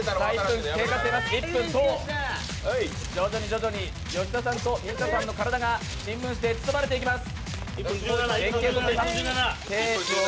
徐々に吉田さんと水田さんの体が新聞紙で包まれていきます。